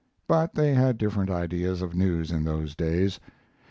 But they had different ideas of news in those days.